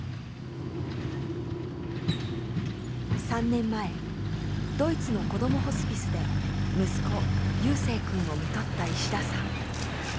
３年前ドイツのこどもホスピスで息子夕青くんをみとった石田さん。